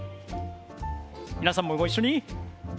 皆さんもご一緒に。